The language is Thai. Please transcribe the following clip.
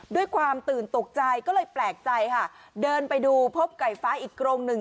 ด้วยความตื่นตกใจก็เลยแปลกใจค่ะเดินไปดูพบไก่ฟ้าอีกกรงหนึ่ง